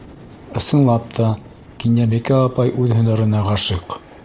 Ысынлап та, Кинйәбикә апай үҙ һөнәренә ғашиҡ.